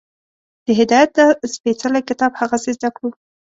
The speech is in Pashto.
د هدایت دا سپېڅلی کتاب هغسې زده کړو